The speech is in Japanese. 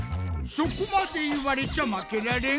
「そこまでいわれちゃ負けられん」